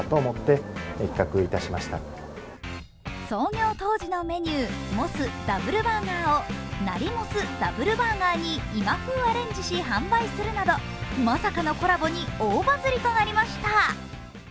創業当時のメニュー、モス・ダブルバーガーをなりもす・ダブルバーガーに今風アレンジし販売するなどまさかのコラボに大バズリとなりました。